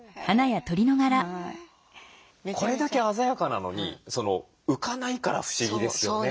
これだけ鮮やかなのに浮かないから不思議ですよね。